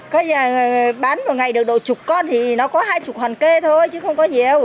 các nhà bán một ngày được độ chục con thì nó có hai chục hoàn kê thôi chứ không có nhiều